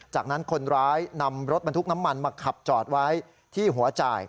จากนั้นคนร้ายนำรถบรรทุกน้ำมันมาขับจอดไว้ที่หัวจ่าย